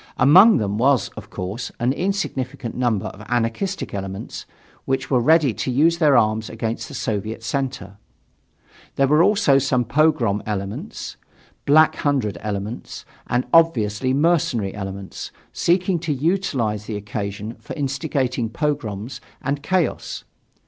Among them was, of course, an insignificant number of anarchistic elements, which were ready to use their arms against the Soviet center. There were also some "pogrom" elements, black hundred elements, and obviously mercenary elements, seeking to utilize the occasion for instigating pogroms and chaos.